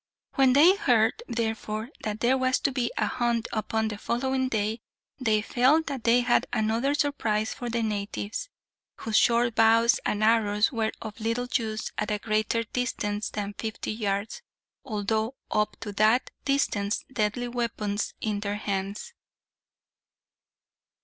When they heard, therefore, that there was to be a hunt upon the following day, they felt that they had another surprise for the natives, whose short bows and arrows were of little use at a greater distance than fifty yards, although up to that distance deadly weapons in their hands.